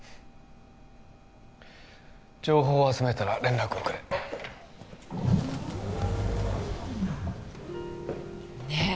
情報を集めたら連絡をくれねっ